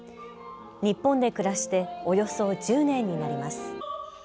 日本で暮らしておよそ１０年になります。